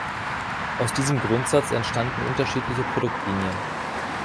Aus diesem Grundsatz entstanden unterschiedliche Produktlinien.